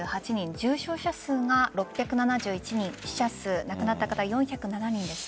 重症者数が６７１人死者数亡くなった方が４０７人でした。